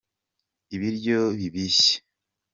ibiryo bibishye.